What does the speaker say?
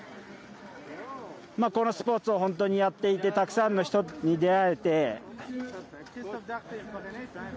このスポーツをやっていてたくさんの人に出会えて。